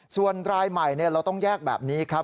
ส่วนรายใหม่เราต้องแยกแบบนี้ครับ